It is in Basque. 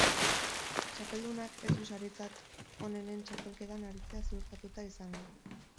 Txapeldunak ez du saritzat onenen txapelketan aritzea zihurtatuta izango.